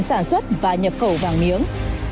sản xuất và nhập khẩu vàng miếng